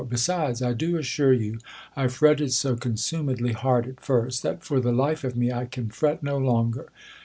Besides, I do assure ym, I fretted so consumedly hard at first, that for the life of me I can fret no longer.